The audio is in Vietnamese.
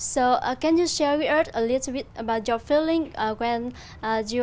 vì vậy có thể chia sẻ với chúng tôi một chút về cảm giác của các bạn